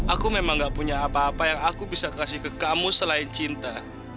aku memang gak punya apa apa yang aku bisa kasih ke kamu selain cinta